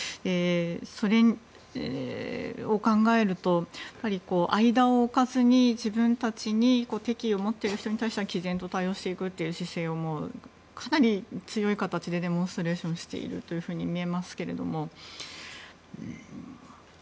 それを考えると、間を置かずに自分たちに敵意を持っている人に対しては毅然と対応していくという姿勢をかなり強い形でデモンストレーションしていると見えますけれども。